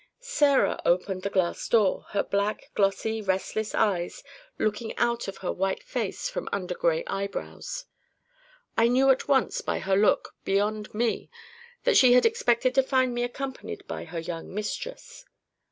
Sarah opened the glass door, her black, glossy, restless eyes looking out of her white face from under gray eyebrows. I knew at once by her look beyond me that she had expected to find me accompanied by her young mistress.